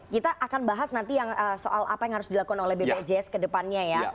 kita akan bahas nanti yang soal apa yang harus dilakukan oleh bpjs ke depannya ya